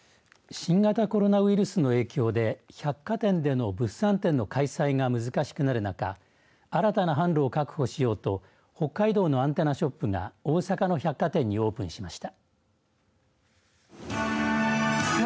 新型コロナウイルスの影響で百貨店での物産展の開催が難しくなる中新たな販路を確保しようと北海道のアンテナショップが大阪の百貨店にオープンしました。